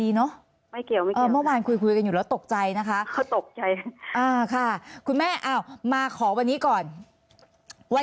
ด่วนแค้นอยู่ใกล้ข้างกันกันนี้เลยค่ะ